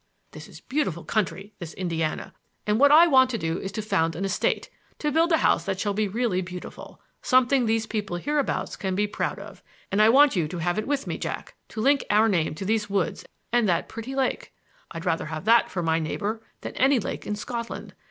This is a beautiful country, this Indiana! And what I want to do is to found an estate, to build a house that shall be really beautiful,—something these people hereabouts can be proud of,— and I want you to have it with me, Jack, to link our name to these woods and that pretty lake. I'd rather have that for my neighbor than any lake in Scotland.